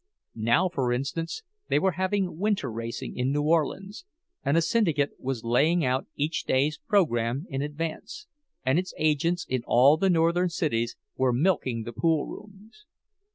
Now for instance, they were having winter racing in New Orleans and a syndicate was laying out each day's program in advance, and its agents in all the Northern cities were "milking" the poolrooms.